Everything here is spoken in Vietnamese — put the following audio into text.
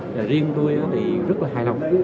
rồi riêng tôi thì rất là hài lòng